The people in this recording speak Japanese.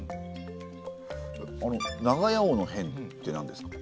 あの長屋王の変ってなんですか？